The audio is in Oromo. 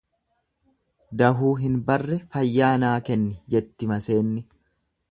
Dahuu hin barre fayyaa naa kenni jetti maseenni.